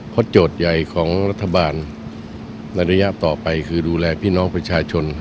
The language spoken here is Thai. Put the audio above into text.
เพราะโจทย์ใหญ่ของรัฐบาลในระยะต่อไปคือดูแลพี่น้องประชาชน